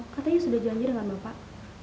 katanya sudah janji dengan bapak